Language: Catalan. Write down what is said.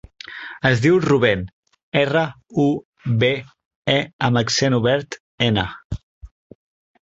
Es diu Rubèn: erra, u, be, e amb accent obert, ena.